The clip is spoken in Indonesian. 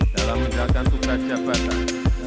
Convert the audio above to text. dalam menjalankan tugas jabatan